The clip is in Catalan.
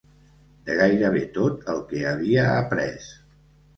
De gairebé tot el que havia après